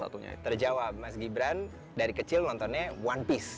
terjawab mas gibran dari kecil nontonnya one piece